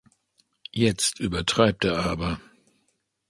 Jetzt übertreibt er aber.